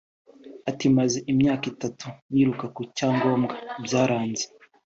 Ati “Maze imyaka itatu niruka ku cyangombwa byaranze